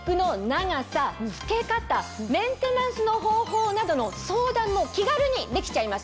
長さ着け方メンテナンスの方法などの相談も気軽にできちゃいます。